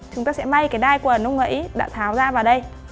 chúng ta sẽ may cái đai quần ông ấy đã tháo ra vào đây